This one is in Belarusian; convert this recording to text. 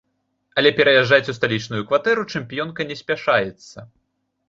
Але пераязджаць у сталічную кватэру чэмпіёнка не спяшаецца.